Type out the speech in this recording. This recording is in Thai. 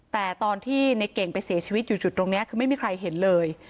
แต่ตอนที่ในเก่งไปเสียชีวิตอยู่จุดตรงนี้คือไม่มีใครเห็นเลย